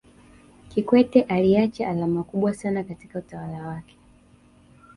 kikwete aliacha alama kubwa sana katika utawala wake